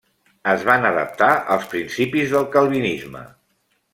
Es van adaptar als principis del calvinisme.